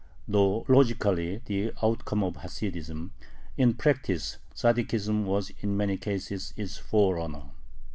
Though logically the outcome of Hasidism, in practice Tzaddikism was in many cases its forerunner.